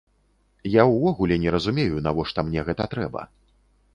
Я ўвогуле не разумею, навошта мне гэта трэба.